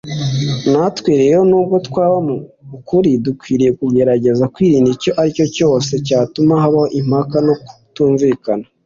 . Natwe rero, nubwo twaba mu kuri, dukwiriye kugerageza kwirinda icyo ari cyo cyose cyatuma hababo impaka no kutumvikana